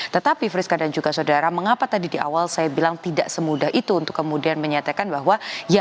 tetapi friska dan juga saudara mengapa tadi di awal saya bilang tidak semudah itu untuk kemudian menyatakan bahwa ya